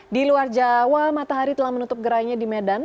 di luar jawa matahari telah menutup gerainya di medan